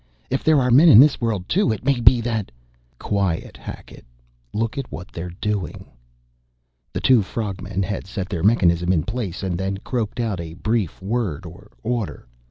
"If there are men in this world too, it may be that " "Quiet, Hackett look at what they're doing." The two frog men had set their mechanism in place and then croaked out a brief word or order.